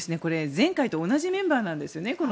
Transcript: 前回と同じメンバーなんですね。